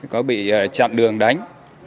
có bị chạm đường đánh